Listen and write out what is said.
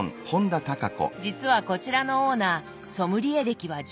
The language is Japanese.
実はこちらのオーナーソムリエ歴は１８年。